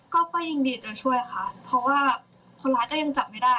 ก็ป้ายินดีจะช่วยค่ะเพราะว่าคนร้ายก็ยังจับไม่ได้